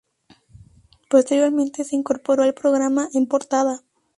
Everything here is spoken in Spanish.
Posteriormente se incorporó al programa En Portada.